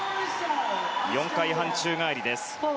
４回半宙返りです。